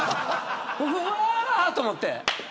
うわあ、と思って。